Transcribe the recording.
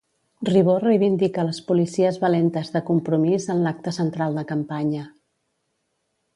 Ribó reivindica les policies valentes de Compromís en l'acte central de campanya.